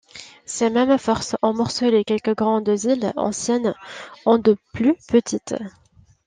Ces mêmes forces ont morcelé quelques grandes îles anciennes en de plus petites.